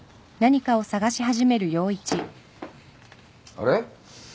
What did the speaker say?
あれ？